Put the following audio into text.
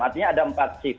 artinya ada empat shift